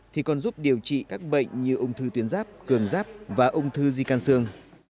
thì còn giúp điều trị các bệnh như ung thư tuyến ráp cường ráp và ung thư di can sương